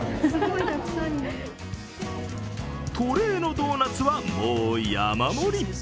トレーのドーナツはもう山盛り。